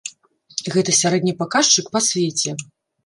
Гэта сярэдні паказчык па свеце.